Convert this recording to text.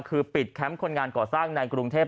คือปิดแคมป์คนงานก่อสร้างในกรุงเทพ